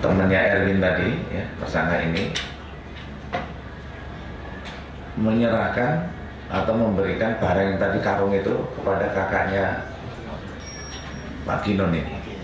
temannya erwin tadi tersangka ini menyerahkan atau memberikan barang yang tadi karung itu kepada kakaknya marginun ini